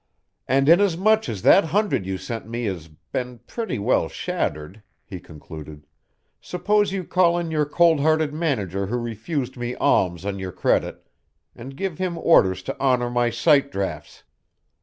"And inasmuch as that hundred you sent me has been pretty well shattered," he concluded, "suppose you call in your cold hearted manager who refused me alms on your credit, and give him orders to honour my sight drafts.